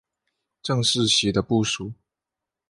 郑士琦的部属。